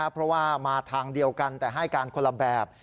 เพราะว่ามาทางเดียวกันแต่ให้การคนละแบบ